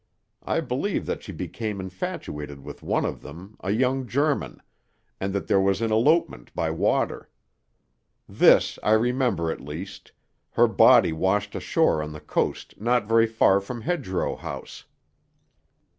I believe that she became infatuated with one of them, a young German, and that there was an elopement by water. This I remember, at least: her body washed ashore on the coast not very far from Hedgerow House."